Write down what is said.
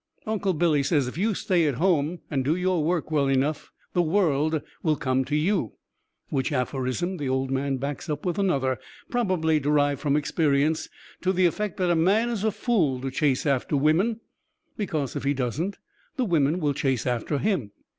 Uncle Billy says if you stay at home and do your work well enough, the world will come to you; which aphorism the old man backs up with another, probably derived from experience, to the effect that a man is a fool to chase after women, because, if he doesn't, the women will chase after him.